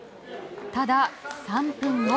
ただ、３分後。